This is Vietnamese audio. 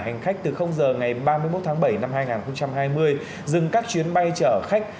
hành khách từ h ngày ba mươi một tháng bảy năm hai nghìn hai mươi dừng các chuyến bay chở khách